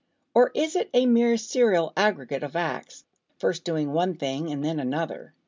Or is it a mere serial aggregate of acts, first doing one thing and then another?